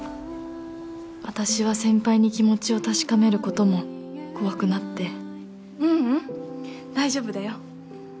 私は先輩に気持ちを確かめることも怖くなってううん大丈夫だよ